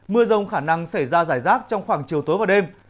mưa rông khả năng xảy ra giải rác trong khoảng chiều tối và đêm